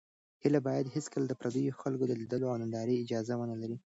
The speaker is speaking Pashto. هیله باید هېڅکله د پردیو خلکو د لیدلو او نندارې اجازه ونه لري.